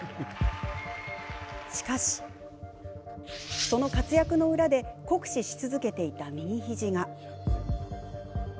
しかし、その活躍の裏で酷使し続けていた右肘が。